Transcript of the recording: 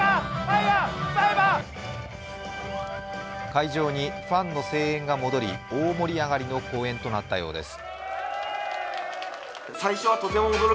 会場にファンの声援が戻り大盛り上がりの公演となったようです。